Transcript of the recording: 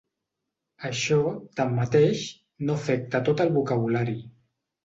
Això, tanmateix, no afecta tot el vocabulari.